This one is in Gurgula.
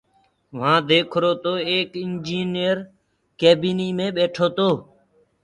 وهآنٚ ديکرو تو ايڪ اِنجنئير ڪيبيني مي ٻيٺو تو۔